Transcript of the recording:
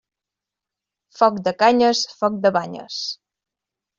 Foc de canyes, foc de banyes.